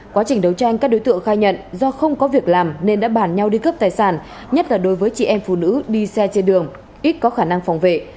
quá trình đấu tranh các đối tượng khai nhận do không có việc làm nên đã bản nhau đi cướp tài sản nhất là đối với chị em phụ nữ đi xe trên đường ít có khả năng phòng vệ